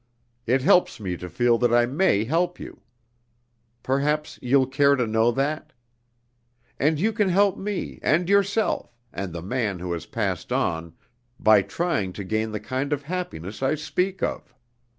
It helps me to feel that I may help you. Perhaps you'll care to know that? And you can help me, and yourself, and the man who has passed on, by trying to gain the kind of happiness I speak of.